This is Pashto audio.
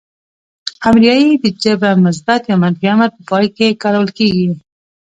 امریه ئ د جمع مثبت يا منفي امر په پای کې کارول کیږي.